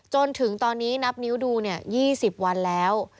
จนถึงตอนนี้นับนิ้วดู๒๐วันแล้ว